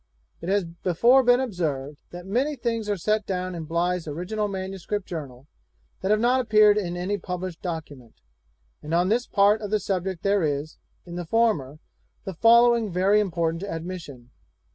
It has before been observed, that many things are set down in Bligh's original manuscript journal, that have not appeared in any published document; and on this part of the subject there is, in the former, the following very important admission.